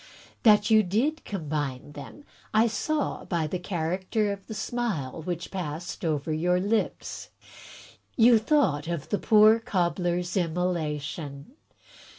That you did combine them I saw by the character of the smile which passed over your lips. You thought of the poor Cobbler's immolation.